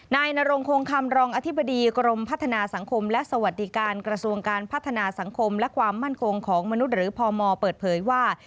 นายนรงคงคำรองอธิบดีกรมพัฒนาสังคมและสวัสดิการกระทรวงการพัฒนาสังคมและความมั่นคงของมนุษย์หรือพมเปิดเผยว่า